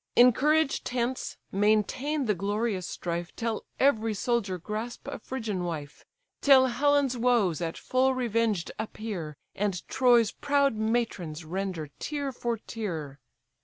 Encouraged hence, maintain the glorious strife, Till every soldier grasp a Phrygian wife, Till Helen's woes at full revenged appear, And Troy's proud matrons render tear for tear.